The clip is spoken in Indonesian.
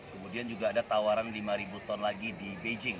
kemudian juga ada tawaran lima ton lagi di beijing